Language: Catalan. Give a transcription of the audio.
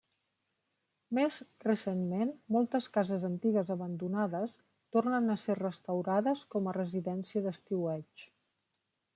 Més recentment, moltes cases antigues abandonades tornen a ser restaurades com a residència estiueig.